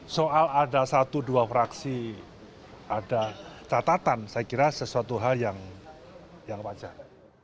soal ada satu dua fraksi ada catatan saya kira sesuatu hal yang wajar